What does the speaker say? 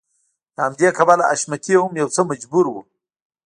له همدې کبله حشمتی هم يو څه مجبور و.